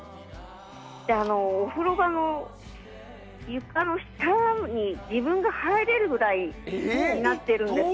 お風呂場の床の下に自分が入れるぐらいになってるんですよ。